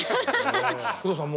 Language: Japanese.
工藤さん